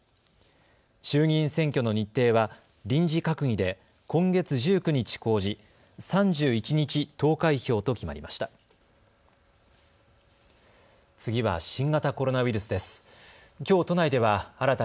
衆議院選挙の日程は臨時閣議で今月１９日公示、３１日投開票と決まりました。